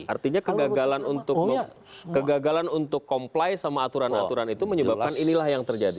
artinya kegagalan untuk comply sama aturan aturan itu menyebabkan inilah yang terjadi